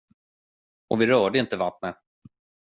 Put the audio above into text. Och vi rörde inte vattnet.